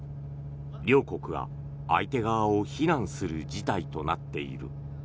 両国が相手側を非難する事態となっている。